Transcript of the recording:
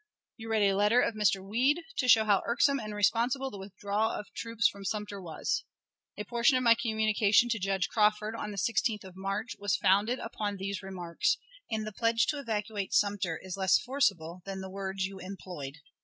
You read a letter of Mr. Weed, to show how irksome and responsible the withdrawal of troops from Sumter was. A portion of my communication to Judge Crawford, on the 16th of March, was founded upon these remarks, and the pledge to evacuate Sumter is less forcible than the words you employed.